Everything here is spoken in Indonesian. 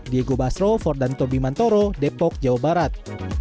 diego basro fordan tobimantoro depok jawa barat